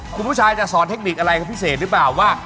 คุณผู้ชายจะสอนเทคนิคอะไรกับพิเศษหรือเปล่าว่า